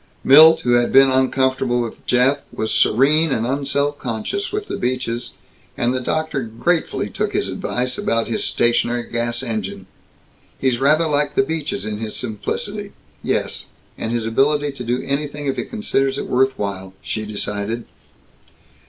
Milt, who had been uncomfortable with Jeff, was serene and un self conscious with the Beaches, and the doctor gratefully took his advice about his stationary gas engine. "He's rather like the Beaches in his simplicity yes, and his ability to do anything if he considers it worth while," she decided.